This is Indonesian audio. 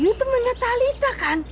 you temennya talitha kan